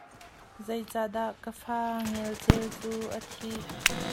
Zeicadah ka fa ngelcal cu a thih?